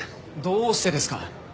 どうしてですか？